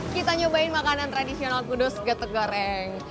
kita nyobain makanan tradisional kudus getek goreng